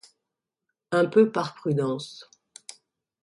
Un peu par prudence ;